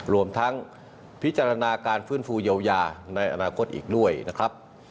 รวมทั้งพิจารณาการฟื้นฟูเยียวยาในอนาคตอีกด้วยนะครับ